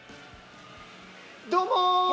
◆どうもー！